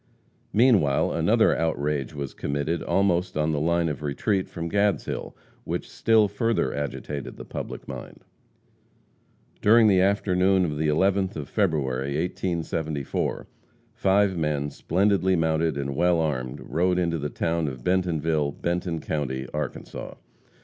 Meanwhile another outrage was committed almost on the line of retreat from Gadshill, which still further agitated the public mind. During the afternoon of the 11th of February, 1874, five men, splendidly mounted and well armed, rode into the town of Bentonville, Benton county, Arkansas.